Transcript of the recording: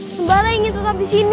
sembara ingin tetap disini